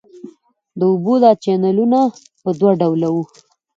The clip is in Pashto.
د اوبو دا چینلونه په دوه ډوله وو.